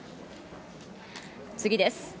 次です。